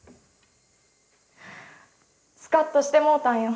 スカッとしてもうたんよ。